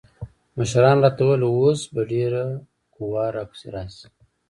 مشرانو راته وويل اوس به ډېره قوا را پسې راسي.